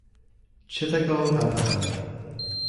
Chittagong Abahani